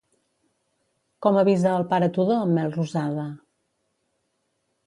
Com avisa al pare Tudó en Melrosada?